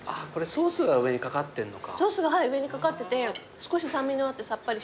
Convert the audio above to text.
ソースが上に掛かってて少し酸味のあってさっぱりしてて。